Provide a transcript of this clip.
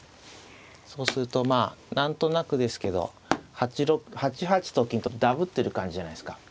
そうするとまあ何となくですけど８八と金とダブってる感じじゃないですか。